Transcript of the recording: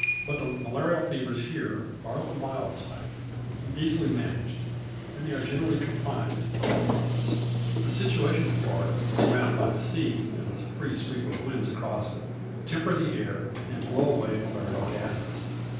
But the malarial fevers here are of a mild type, and easily managed; and they are generally confined to the fall months. The situation of Florida, surrounded by the sea, and the free sweep of winds across it, temper the air, and blow away malarious gases.